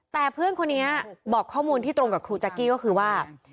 แต่เพื่อนคนนี้บอกข้อมูลที่ตรงกับครูแจ๊กกี้ก็คือว่า